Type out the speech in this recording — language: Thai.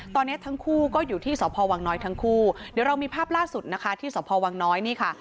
ตอนนี้ทั้งคู่ก็อยู่ที่สพวังน้อยทั้งคู่เดี๋ยวเรามีภาพล่าสุดนะคะที่สพวังน้อยนี่ค่ะ